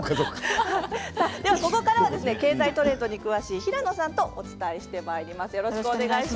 ここからは経済トレンドに詳しい平野さんとお伝えしてまいります。